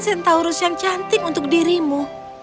centaurus yang cantik untuk dirimu